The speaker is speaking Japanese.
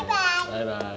バイバイ！